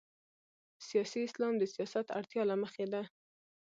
سیاسي اسلام د سیاست اړتیا له مخې ده.